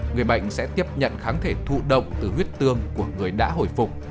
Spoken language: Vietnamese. người bệnh sẽ tiếp nhận kháng thể thụ động từ huyết tương của người đã hồi phục